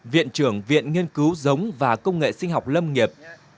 viện trưởng viện nghiên cứu giống và công nghệ sinh học lâm nghiệp